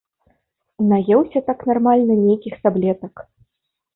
Наеўся так нармальна нейкіх таблетак.